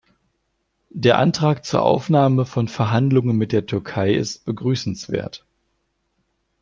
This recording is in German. Der Antrag zur Aufnahme von Verhandlungen mit der Türkei ist begrüßenswert.